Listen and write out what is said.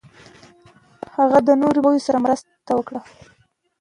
هغه د نورو مرغیو سره مرسته وکړه.